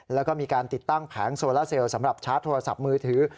แล้วก็มีการติดตั้งแผงโซลาเซลสำหรับชาร์จโทรศัพท์มือถือ